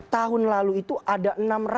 tahun lalu itu ada